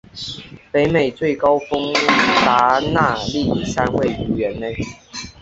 北美最高峰迪纳利山位于园内。